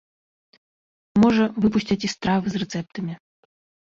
Можа, выпусцяць і стравы з рэцэптамі.